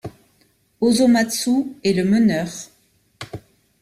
Osomatsu est le meneur.